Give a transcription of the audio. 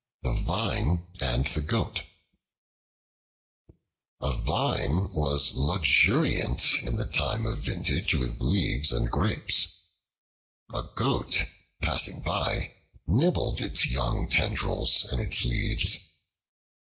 The Vine and the Goat A VINE was luxuriant in the time of vintage with leaves and grapes. A Goat, passing by, nibbled its young tendrils and its leaves.